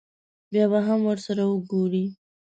بیا به هم ورسره وګوري.